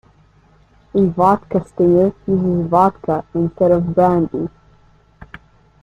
A "vodka stinger" uses vodka instead of brandy.